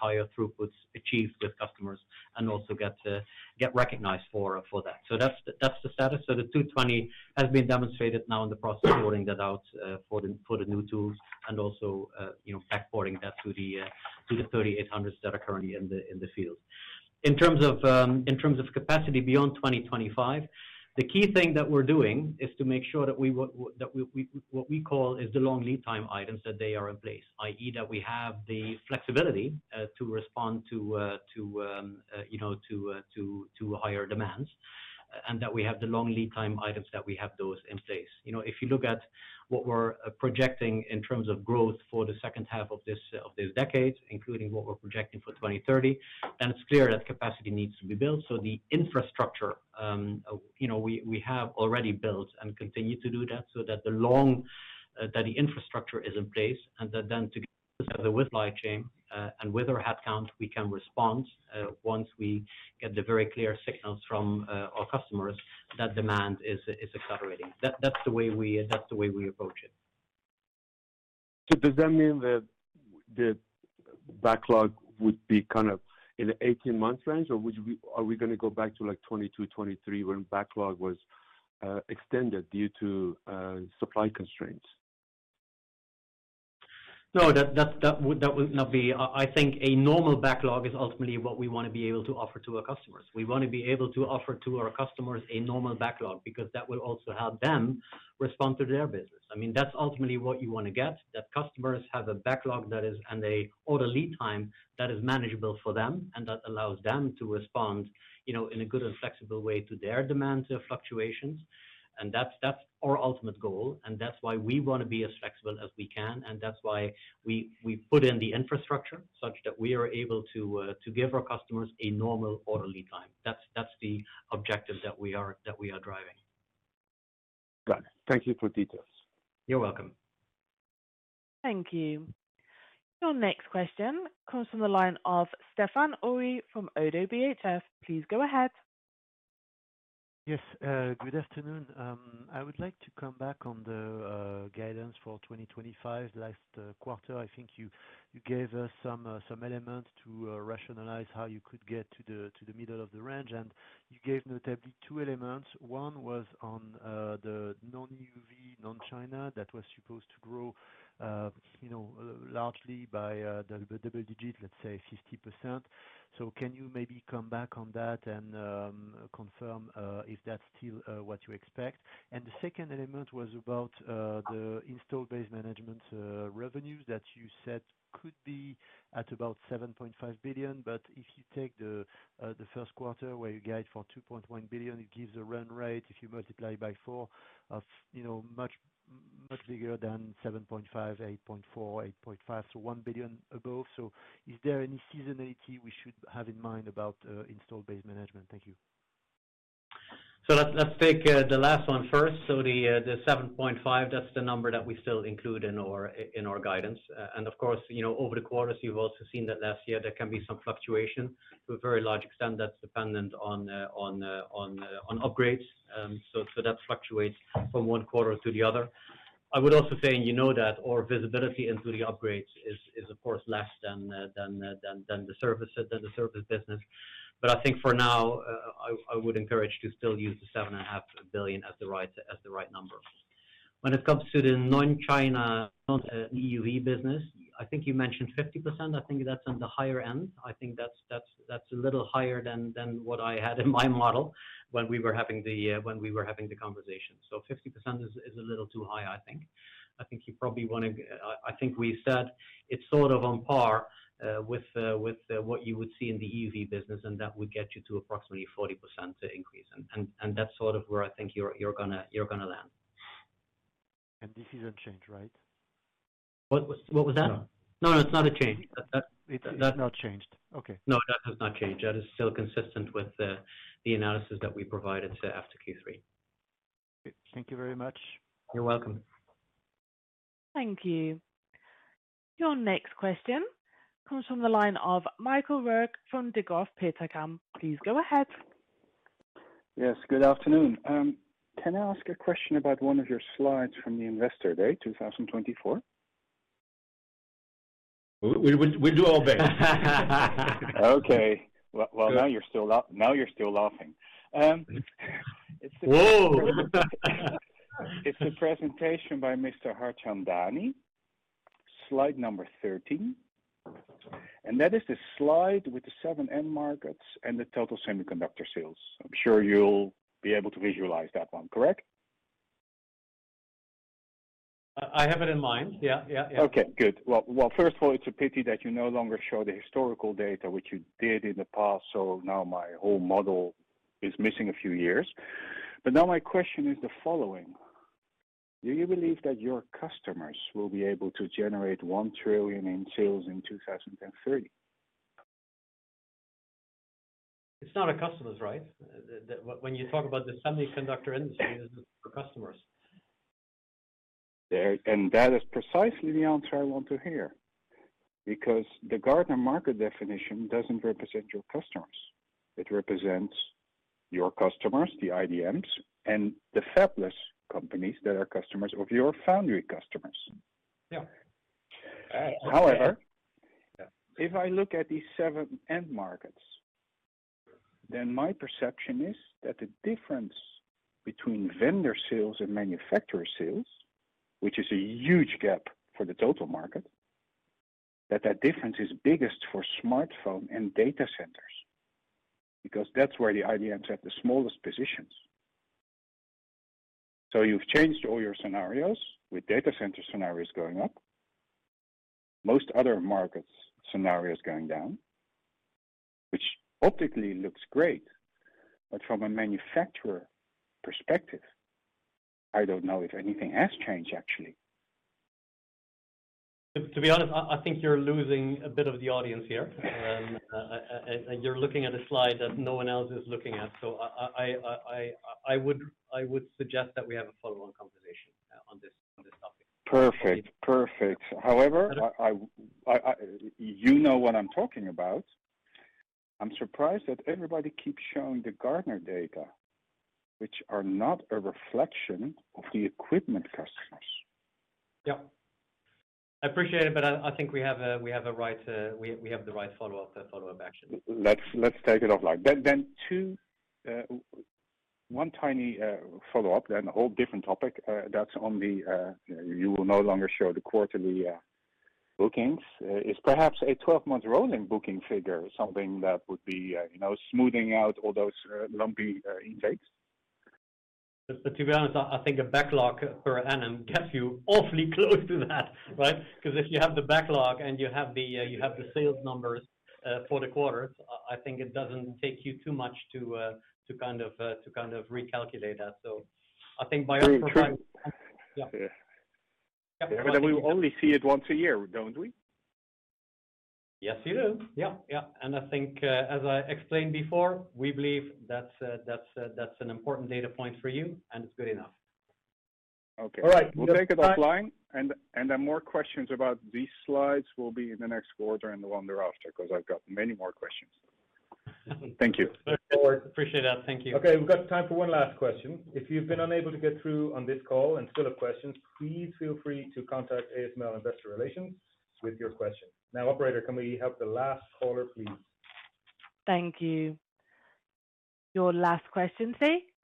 higher throughputs achieved with customers and also get recognized for that. So that's the status. So the 220 has been demonstrated, now in the process of rolling that out for the new tools and also backporting that to the 3800s that are currently in the field. In terms of capacity beyond 2025, the key thing that we're doing is to make sure that what we call is the long lead time items, that they are in place, i.e., that we have the flexibility to respond to higher demands and that we have the long lead time items, that we have those in place. If you look at what we're projecting in terms of growth for the second half of this decade, including what we're projecting for 2030, then it's clear that capacity needs to be built. So the infrastructure we have already built and continue to do that, so that the infrastructure is in place and that, then, together with supply chain and with our headcount, we can respond once we get the very clear signals from our customers that demand is accelerating. That's the way we approach it. So does that mean that the backlog would be kind of in the 18-month range, or are we going to go back to like 22, 23 when backlog was extended due to supply constraints? No, that would not be. I think a normal backlog is ultimately what we want to be able to offer to our customers. We want to be able to offer to our customers a normal backlog because that will also help them respond to their business. I mean, that's ultimately what you want to get, that customers have a backlog and an order lead time that is manageable for them and that allows them to respond in a good and flexible way to their demand fluctuations, and that's our ultimate goal, and that's why we want to be as flexible as we can, and that's why we put in the infrastructure such that we are able to give our customers a normal order lead time. That's the objective that we are driving. Got it. Thank you for the details. You're welcome. Thank you. Your next question comes from the line of Stéphane Houri from Oddo BHF. Please go ahead. Yes, good afternoon. I would like to come back on the guidance for 2025. Last quarter, I think you gave us some elements to rationalize how you could get to the middle of the range. And you gave notably two elements. One was on the non-EUV, non-China that was supposed to grow largely by the double digit, let's say 50%. So can you maybe come back on that and confirm if that's still what you expect? And the second element was about the installed base management revenues that you said could be at about €7.5 billion. But if you take the first quarter where you guide for €2.1 billion, it gives a run rate. If you multiply by four, much bigger than 7.5, €8.4 billion, €8.5 billion, so €1 billion above. So is there any seasonality we should have in mind about installed base management? Thank you. So let's take the last one first. So the 7.5, that's the number that we still include in our guidance. And of course, over the quarters, you've also seen that last year there can be some fluctuation. To a very large extent, that's dependent on upgrades. So that fluctuates from one quarter to the other. I would also say you know that our visibility into the upgrades is, of course, less than the service business. But I think for now, I would encourage to still use the 7.5 billion as the right number. When it comes to the non-China, non-EUV business, I think you mentioned 50%. I think that's on the higher end. I think that's a little higher than what I had in my model when we were having the conversation. So 50% is a little too high, I think. I think we said it's sort of on par with what you would see in the EUV business, and that would get you to approximately 40% increase. That's sort of where I think you're going to land. And this isn't changed, right? What was that? No, no, it's not a change. It has not changed. Okay. No, that has not changed. That is still consistent with the analysis that we provided after Q3. Thank you very much. You're welcome. Thank you. Your next question comes from the line of Michael Roeg from Degroof Petercam. Please go ahead. Yes, good afternoon. Can I ask a question about one of your slides from the Investor Day, 2024? We'll do all big. Okay. Well, now you're still laughing. It's the presentation by Mr. Harchandani, slide number 13. And that is the slide with the 7M markets and the total semiconductor sales. I'm sure you'll be able to visualize that one, correct? I have it in mind. Yeah, yeah, yeah. Okay, good. Well, first of all, it's a pity that you no longer show the historical data, which you did in the past. So now my whole model is missing a few years. But now my question is the following. Do you believe that your customers will be able to generate 1 trillion in sales in 2030? It's not our customers, right? When you talk about the semiconductor industry, isn't it our customers? That is precisely the answer I want to hear because the Gartner market definition doesn't represent your customers. It represents your customers, the IDMs and the fabless companies that are customers of your foundry customers. Yeah. However. If I look at these 7M markets, then my perception is that the difference between vendor sales and manufacturer sales, which is a huge gap for the total market, that that difference is biggest for smartphone and data centers because that's where the IDMs have the smallest positions. So you've changed all your scenarios with data center scenarios going up, most other markets' scenarios going down, which optically looks great. But from a manufacturer perspective, I don't know if anything has changed, actually. To be honest, I think you're losing a bit of the audience here. And you're looking at a slide that no one else is looking at. So I would suggest that we have a follow-on conversation on this topic. Perfect, perfect. However, you know what I'm talking about. I'm surprised that everybody keeps showing the Gartner data, which are not a reflection of the equipment customers. Yeah. I appreciate it, but I think we have the right follow-up action. Let's take it offline. Then one tiny follow-up, then a whole different topic. That's on the you will no longer show the quarterly bookings. Is perhaps a 12-month rolling booking figure something that would be smoothing out all those lumpy intakes? To be honest, I think a backlog per annum gets you awfully close to that, right? Because if you have the backlog and you have the sales numbers for the quarters, I think it doesn't take you too much to kind of recalculate that. So I think by our current. Yeah. But we only see it once a year, don't we? Yes, you do. Yeah, yeah. And I think, as I explained before, we believe that's an important data point for you, and it's good enough. Okay. All right. We'll take it offline, and more questions about these slides will be in the next quarter and the one thereafter because I've got many more questions. Thank you. Appreciate that. Thank you. Okay, we've got time for one last question. If you've been unable to get through on this call and still have questions, please feel free to contact ASML Investor Relations with your question. Now, operator, can we have the last caller, please? Thank you. Your last question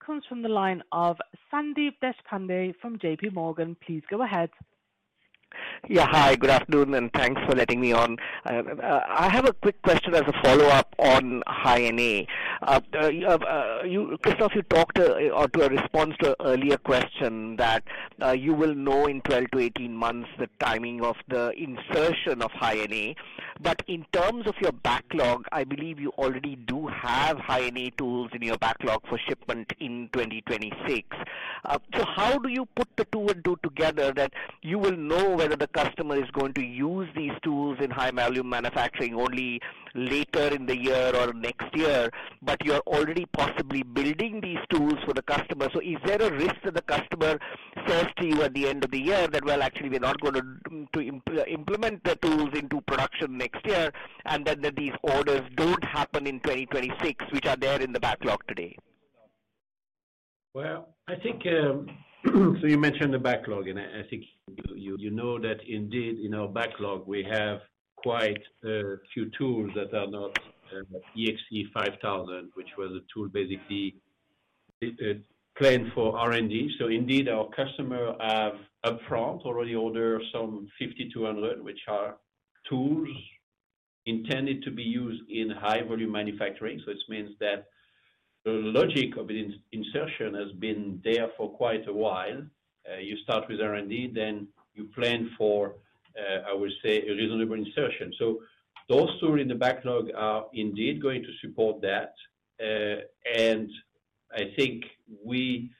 comes from the line of Sandeep Deshpande from JPMorgan. Please go ahead. Yeah, hi, good afternoon, and thanks for letting me on. I have a quick question as a follow-up on High-NA. Christophe, you talked in response to an earlier question that you will know in 12 to 18 months the timing of the insertion of High-NA. But in terms of your backlog, I believe you already do have High NA tools in your backlog for shipment in 2026. So how do you put the two and two together that you will know whether the customer is going to use these tools in high-volume manufacturing only later in the year or next year, but you're already possibly building these tools for the customer? So is there a risk that the customer says to you at the end of the year that, "Well, actually, we're not going to implement the tools into production next year," and then that these orders don't happen in 2026, which are there in the backlog today? I think so you mentioned the backlog, and I think you know that indeed in our backlog, we have quite a few tools that are not EXE:5000, which was a tool basically planned for R&D. Indeed, our customers have upfront already ordered some EXE:5200, which are tools intended to be used in high-volume manufacturing. It means that the logic of insertion has been there for quite a while. You start with R&D, then you plan for, I would say, a reasonable insertion. Those tools in the backlog are indeed going to support that. I think we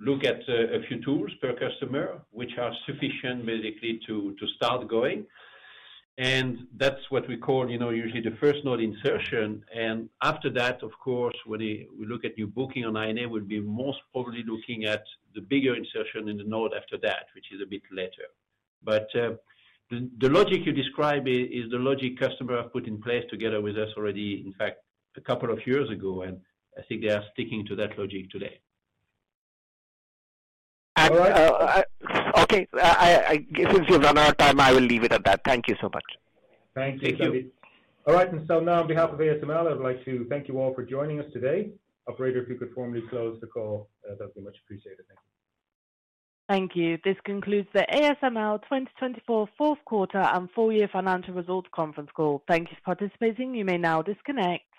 look at a few tools per customer, which are sufficient basically to start going. That's what we call usually the first node insertion. After that, of course, when we look at new booking on High-NA, we'll be most probably looking at the bigger insertion in the node after that, which is a bit later. The logic you describe is the logic customer has put in place together with us already, in fact, a couple of years ago. I think they are sticking to that logic today. Okay. Since we have run out of time, I will leave it at that. Thank you so much. Thank you. Thank you. All right. And so now, on behalf of ASML, I'd like to thank you all for joining us today. Operator, if you could formally close the call, that would be much appreciated. Thank you. Thank you. This concludes the ASML 2024 fourth quarter and four-year financial results conference call. Thank you for participating. You may now disconnect.